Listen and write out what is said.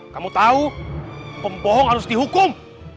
kamu tahu pembohong harus dihukum